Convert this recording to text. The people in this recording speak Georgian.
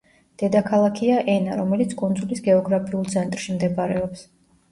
დედაქალაქია ენა, რომელიც კუნძულის გეოგრაფიულ ცენტრში მდებარეობს.